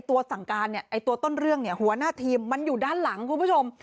ตัวสั่งการตัวต้นเรื่องหัวหน้าทีมมันอยู่ด้านหลังคุณผู้ชม